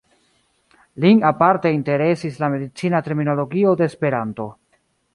Lin aparte interesis la medicina terminologio de Esperanto.